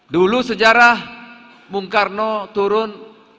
dulu sejarah bung karno turun